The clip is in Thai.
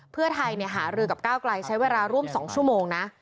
เพื่อไทยหารือกับก้าวไกลใช้เวลาร่วม๒ชั่วโมงนะ